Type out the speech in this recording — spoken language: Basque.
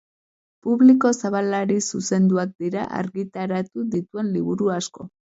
Publiko zabalari zuzenduak dira argitaratu dituen liburu asko.